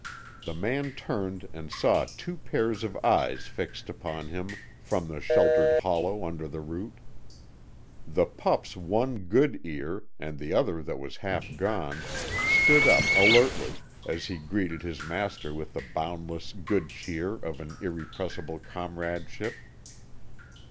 The man turned and saw two pairs of eyes fixed upon him from the sheltered hollow under the root. The pup's one good ear and the other that was half gone stood up alertly, as he greeted his master with the boundless good cheer of an irrepressible comradeship.